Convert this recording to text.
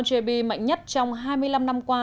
jb mạnh nhất trong hai mươi năm năm qua